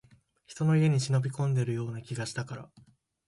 人の家に忍び込んでいるような気がしたから